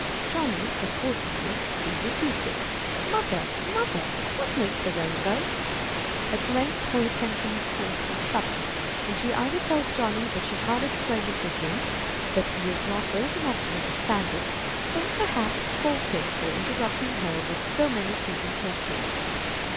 Johnny, accordingly, soon repeats it, "Mother! mother! what makes the rainbow?" At length her attention is forced to the subject, and she either tells Johnny that she can't explain it to him that he is not old enough to understand it; or, perhaps, scolds him for interrupting her with so many teasing questions.